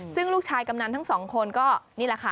ซึ่งลูกชายกำนันทั้งสองคนก็นี่แหละค่ะ